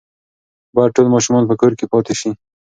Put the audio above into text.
باید ټول ماشومان په کور کې پاتې شي.